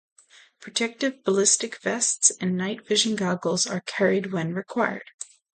Protective ballistic vests and night vision goggles are carried when required.